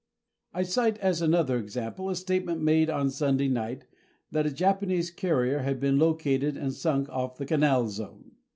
I cite as another example a statement made on Sunday night that a Japanese carrier had been located and sunk off the Canal Zone.